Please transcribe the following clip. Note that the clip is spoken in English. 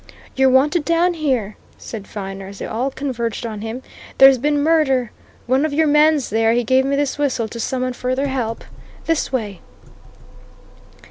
"You're wanted down here," said Viner as they all converged on him. "There's been murder! One of your men's there he gave me this whistle to summon further help. This way!"